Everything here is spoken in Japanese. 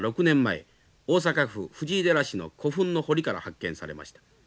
大阪府藤井寺市の古墳の堀から発見されました。